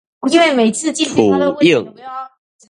跙湧